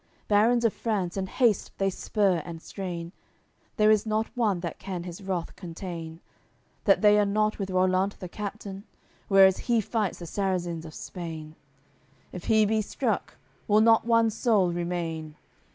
Barons of France, in haste they spur and strain; There is not one that can his wrath contain That they are not with Rollant the Captain, Whereas he fights the Sarrazins of Spain. If he be struck, will not one soul remain.